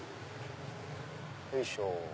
よいしょ。